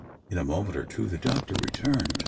In a moment or two the doctor returned.